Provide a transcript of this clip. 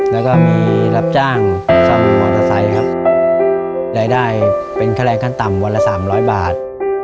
แล้วก็มีรับจ้างซ่อมมอเตอร์ไซค์ครับรายได้เป็นค่าแรงขั้นต่ำวันละ๓๐๐บาท